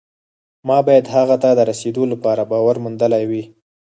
ما باید هغه ته د رسېدو لپاره باور موندلی وي